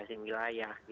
di masing masing wilayah